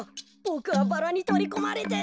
ボクはバラにとりこまれて。